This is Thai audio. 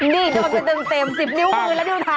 นี่โดนไปเต็ม๑๐นิ้วมือแล้วนิ้วเท้า